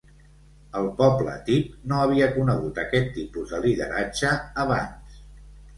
El poble tiv no havia conegut aquest tipus de lideratge abans.